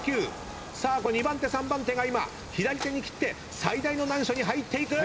さあ２番手３番手が今左手に切って最大の難所に入っていく。